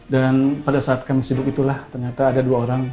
dan pada saat kami sibuk itulah ternyata ada dua orang